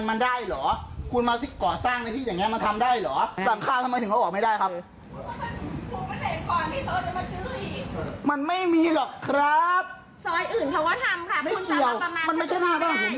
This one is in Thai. ไม่เกี่ยวมันไม่ใช่หน้าบ้าน